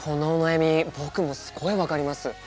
僕もすごい分かります！